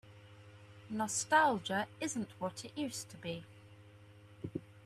Nostalgia isn't what it used to be.